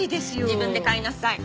自分で買いなさい。